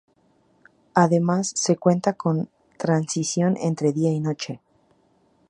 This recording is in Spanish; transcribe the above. Además se cuenta con transición entre día y noche.